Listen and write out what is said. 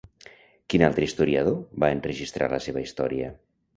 Quin altre historiador va enregistrar la seva història?